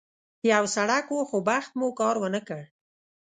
یو سړک و، خو بخت مو کار ونه کړ.